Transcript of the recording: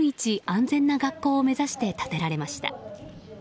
安全な学校を目指して建てられました。